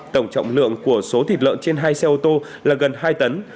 tổng trọng lượng của số thịt lợn trên hai xe ô tô là gần hai tấn